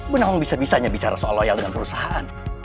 bu nawang bisa bisanya bicara soal loyal dengan perusahaan